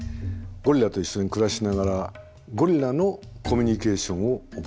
ゴリラと一緒に暮らしながらゴリラのコミュニケーションを覚えました。